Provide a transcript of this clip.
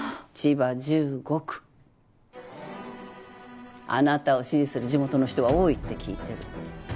「ＢＥＴＴＩＮＧ」あなたを支持する地元の人は多いって聞いてる。